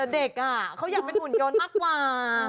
เด็กเขาอยากเป็นหุ่นยนต์มากกว่า